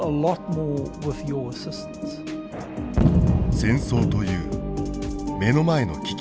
戦争という目の前の危機。